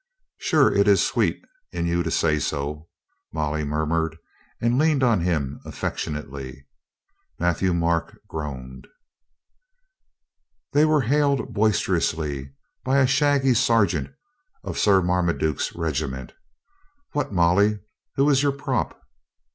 "Sure it is sweet in you to say so," Molly mur mured and leaned on him affectionately. Matthieu Marc groaned. They were then hailed boisterously by a shaggy sergeant of Sir Marmaduke's regiment. "What, Molly ! Who is your prop